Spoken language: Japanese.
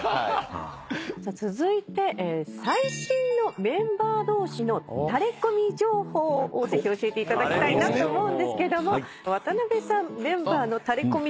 続いて最新のメンバー同士のタレコミ情報をぜひ教えていただきたいなと思うんですけども渡辺さんメンバーのタレコミ